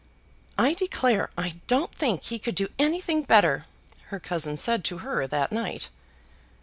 "I declare I don't think he could do anything better," her cousin said to her that night.